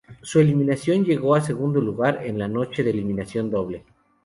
Su eliminación llegó en segundo lugar en la noche de eliminación doble.